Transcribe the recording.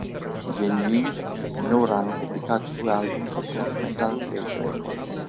Gli Engine, finora hanno pubblicato due album sotto Metal Blade Records.